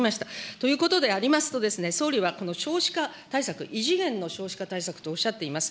ということでありますとですね、総理はこの少子化対策、異次元の少子化対策とおっしゃっております。